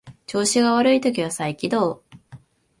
調子が悪い時は再起動